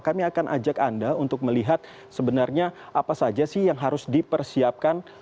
kami akan ajak anda untuk melihat sebenarnya apa saja sih yang harus dipersiapkan